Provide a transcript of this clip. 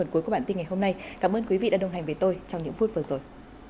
cuối của bản tin ngày hôm nay cảm ơn quý vị đã đồng hành với tôi trong những phút vừa rồi